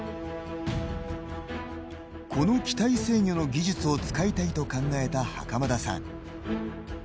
この機体制御の技術を使いたいと考えた袴田さん。